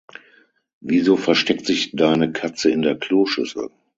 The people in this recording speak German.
Wieso versteckt sich deine Katze in der Kloschüssel?